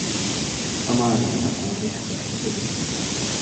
أمرني أن أقوم بهذا، فقمت به.